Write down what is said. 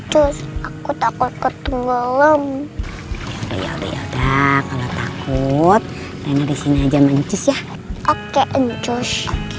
cus aku takut ketulung lem ya udah kalau takut karena disini aja mancus ya oke encus